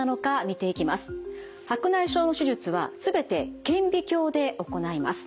白内障の手術は全て顕微鏡で行います。